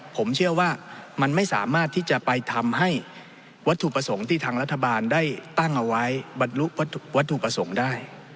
ผมเชื่อว่ามันไม่สามารถที่จะไปทำให้วัตถุประสงค์ที่ทางรัฐบาลได้ตั้งเอาไว้บรรลุวัตถุประสงค์ได้